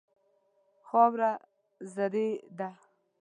خاوره زرعي ده.